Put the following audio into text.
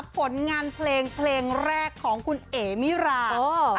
ผลงานเพลงเพลงแรกของคุณเอ๋มิรา